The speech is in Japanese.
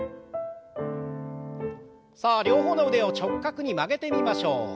さあ両方の腕を直角に曲げてみましょう。